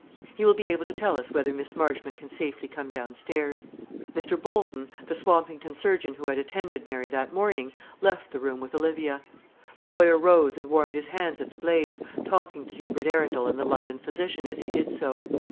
He will be able to tell us whether Miss Marchmont can safely come downstairs." Mr. Bolton, the Swampington surgeon who had attended Mary that morning, left the room with Olivia. The lawyer rose and warmed his hands at the blaze, talking to Hubert Arundel and the London physician as he did so.